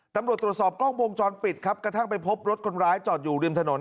ตำรวจตรวจสอบกล้องวงจรปิดครับกระทั่งไปพบรถคนร้ายจอดอยู่ริมถนน